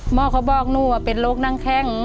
หมอกเขาบอกนี่เป็นโรคนั่งแค้ง